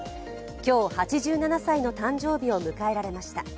今日、８７歳の誕生日を迎えられました。